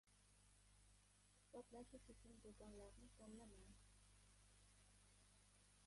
Suhbatlashish uchun do‘konlarni tanlamang;